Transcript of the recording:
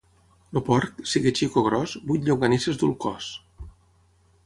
El porc, sigui xic o gros, vuit llonganisses duu al cos.